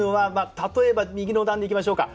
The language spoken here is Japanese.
例えば右の段でいきましょうか。